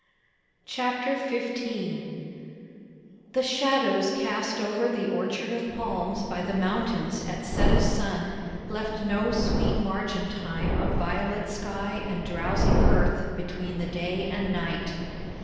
CHAPTER XV The shadows cast over the Orchard of Palms by the mountains at set of sun left no sweet margin time of violet sky and drowsing earth between the day and night.